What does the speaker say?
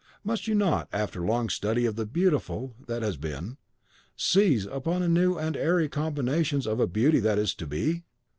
Must you not, after long study of the Beautiful that has been, seize upon new and airy combinations of a beauty that is to be?